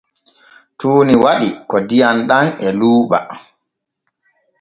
Tuuni waɗi ko diyam ɗam e luuɓa.